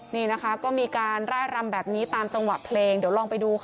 นี่นะคะก็มีการไล่รำแบบนี้ตามจังหวะเพลงเดี๋ยวลองไปดูค่ะ